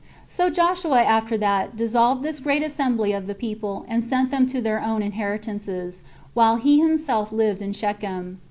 So Joshua after that dissolved this great assembly of the people, and sent them to their own inheritances, while he himself lived in Shechem.